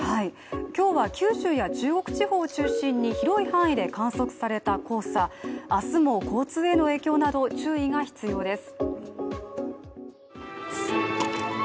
今日は九州や中国地方を中心に広い範囲で観測された黄砂明日も交通への影響など注意が必要です。